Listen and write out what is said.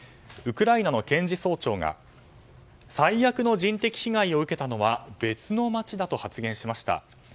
ウクライナの検事総長が最悪の人的被害を受けたのは別の街だと発言しました。